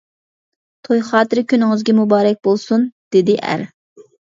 -توي خاتىرە كۈنىڭىزگە مۇبارەك بولسۇن-دېدى ئەر.